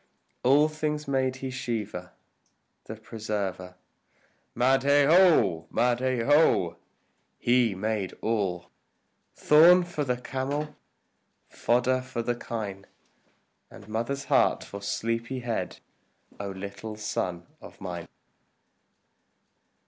All things made he Shiva the Preserver. Mahadeo! Mahadeo! He made all, Thorn for the camel, fodder for the kine, And mother's heart for sleepy head, O little son of mine!